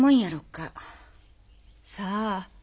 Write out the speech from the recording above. さあ？